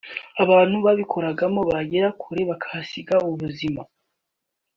abantu babikoragamo bagera kuri bahasiga ubuzima